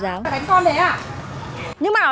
xin lỗi này